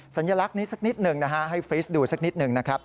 สัญลักษณ์นี้สักนิดหนึ่งนะฮะให้ฟรีสดูสักนิดหนึ่งนะครับ